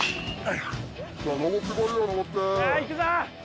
さあいくぞ！